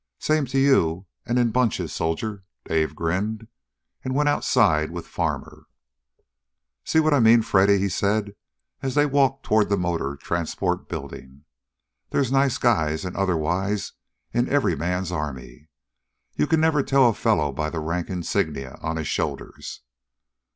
"Same to you, and in bunches, soldier," Dave grinned, and went outside with Farmer. "See what I mean, Freddy?" he said as they walked toward the motor transport building. "There's nice guys, and otherwise, in every man's army. You never can tell a fellow by the rank insignia on his shoulders."